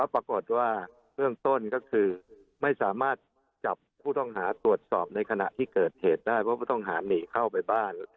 ปรากฏว่าเบื้องต้นก็คือไม่สามารถจับผู้ต้องหาตรวจสอบในขณะที่เกิดเหตุได้เพราะผู้ต้องหาหนีเข้าไปบ้าน